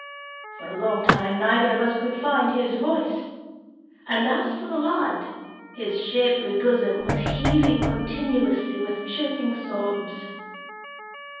For a long time, neither of us could find his voice, and as for the lad, his shapely bosom was heaving continuously with choking sobs.